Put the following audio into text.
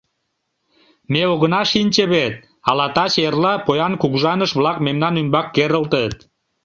Ме огына шинче вет, ала таче-эрла поян кугыжаныш-влак мемнан ӱмбак керылтыт.